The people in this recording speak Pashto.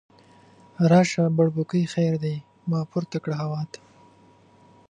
راشه بړبوکۍ خیر دی، ما پورته کړه هوا ته